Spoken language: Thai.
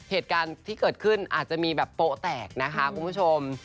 เหตุการณ์ที่เกิดขึ้นอาจจะมีแบบโป๊แตกนะคะคุณผู้ชม